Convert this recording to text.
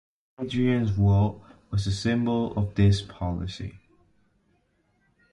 Hadrian's Wall was a symbol of this policy.